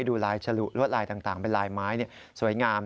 ดูลายฉลุรวดลายต่างเป็นลายไม้สวยงาม